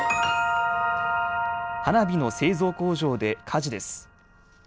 花火の製造工場で火事です。